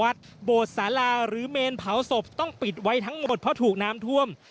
โบสถสาราหรือเมนเผาศพต้องปิดไว้ทั้งหมดเพราะถูกน้ำท่วม